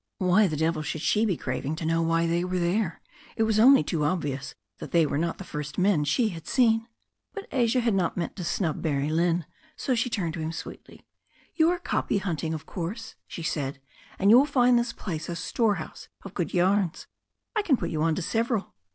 Why the devil should she be craving to know why they were there ? It was only too obvious they were not the first men she had seen. But Asia had not meant to snub Barrie Lynne. So she turned to him sweetly. "You are 'copy' hunting, of course," she said, "and you will find this place a storehouse of good yarns. I can put you on to several."